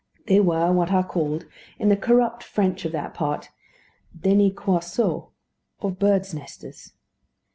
They were what are called, in the corrupt French of that part, "déniquoiseaux," or birds' nesters.